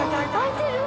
開いてる！